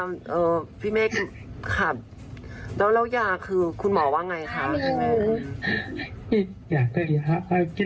แล้วค่ะแล้วยาพี่เมฆค่ะ